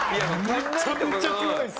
めちゃめちゃ怖いですよね。